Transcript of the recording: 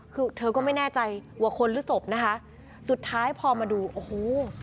คือเธอก็ไม่แน่ใจว่าคนหรือศพนะคะสุดท้ายพอมาดูโอ้โห